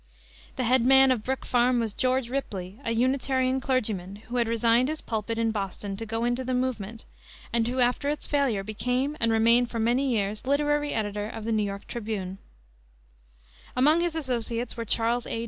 The head man of Brook Farm was George Ripley, a Unitarian clergyman, who had resigned his pulpit in Boston to go into the movement, and who after its failure became and remained for many years literary editor of the New York Tribune. Among his associates were Charles A.